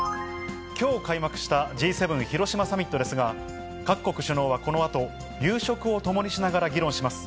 きょう開幕したＧ７広島サミットですが、各国首脳はこのあと、夕食を共にしながら議論します。